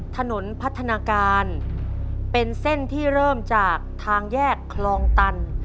ถนนพัฒนาการเป็นเส้นที่เริ่มจากทางแยกคลองตัน